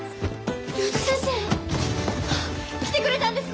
竜太先生！？ああ来てくれたんですね！